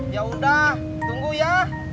ya udah tunggu ya